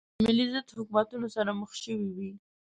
د ملي ضد حکومتونو سره مخ شوې وې.